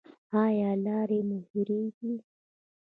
ایا لارې مو هیریږي؟